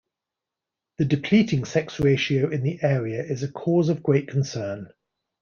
The depleting sex ratio in the area is a cause of great concern.